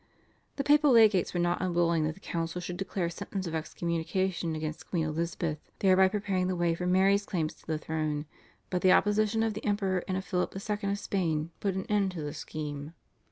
The papal legates were not unwilling that the council should declare sentence of excommunication against Queen Elizabeth, thereby preparing the way for Mary's claims to the throne, but the opposition of the Emperor and of Philip II. of Spain put an end to the scheme.